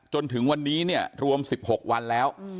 จนถึงวันนี้เนี่ยรวม๑๖วันแล้ว